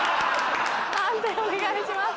判定お願いします。